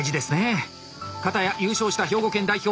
片や優勝した兵庫県代表。